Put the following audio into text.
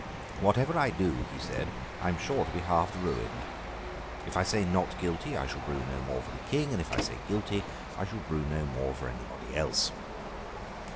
"Whatever I do," he said, "I am sure to be half ruined. If I say Not Guilty, I shall brew no more for the King; and if I say Guilty, I shall brew no more for anybody else."